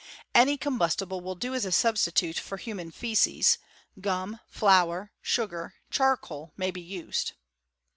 Any combustibla will do as a substitute for human feeces — gum, flour^ sugar, charcoal, may be used.